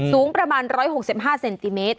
สูงประมาณ๑๖๕เซนติเมตร